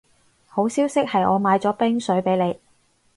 好消息係我買咗冰水畀你